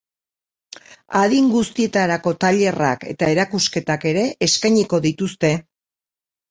Adin guztietarako tailerrak eta erakusketak ere eskainiko dituzte.